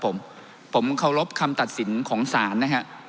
ผมเคารพคำตัดสินของสารนะครับ